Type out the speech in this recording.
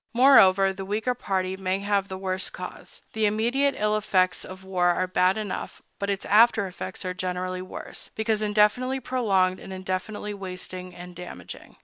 Moreover, the weaker party may have the worse cause. The immediate ill effects of war are bad enough, but its after effects are generally worse, because indefinitely prolonged and indefinitely wasting and damaging.